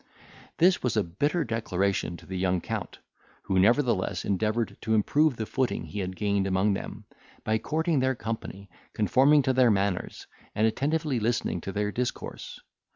This was a bitter declaration to the young Count, who nevertheless endeavoured to improve the footing he had gained among them, by courting their company, conforming to their manners, and attentively listening to their discourse.